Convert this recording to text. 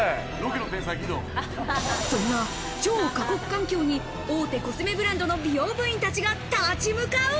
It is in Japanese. そんな超過酷環境に大手コスメブランドの美容部員たちが立ち向かう。